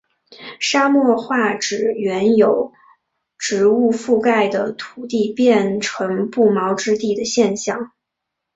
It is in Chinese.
沙漠化指原由植物覆盖的土地变成不毛之地的现象。